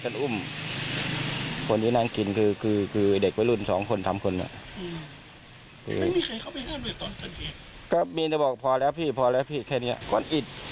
หลังจากเกิดเหตุการณ์ที่แล้วนะคะ